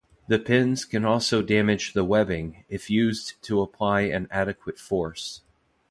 The pins can also damage the webbing, if used to apply an adequate force.